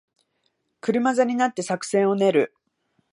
車座になって作戦を練る